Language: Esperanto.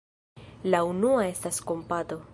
La unua estas kompato.